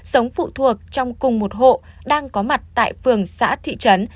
sống phụ thuộc trong cùng một hộ đang có mặt tại phường xã thị trấn